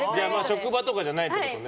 職場とかじゃないってことですね。